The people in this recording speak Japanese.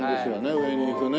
上に行くね。